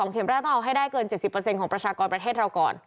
เข็มแรกต้องเอาให้ได้เกิน๗๐ของประชากรประเทศเราก่อน